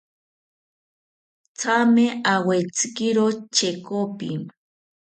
Thame awetzikiro chekopi